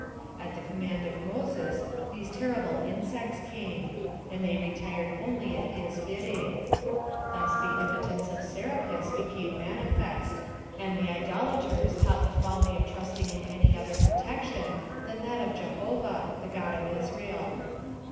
At the command of Moses these terri ble insects came — and they retired only at his bid ding. Thus was the impotence of Serapis made manifest, and the idolaters taught the folly of trust ing in any other protection, than that of Jehovah, the God of Israel.